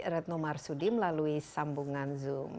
retno marsudi melalui sambungan zoom